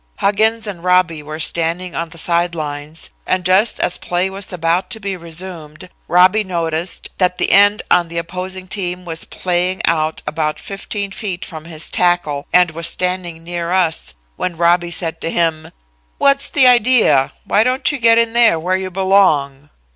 Huggins and Robby were standing on the side lines, and just as play was about to be resumed, Robby noticed that the end on the opposing team was playing out about fifteen feet from his tackle, and was standing near us, when Robby said to him: "'What's the idea? Why don't you get in there where you belong?'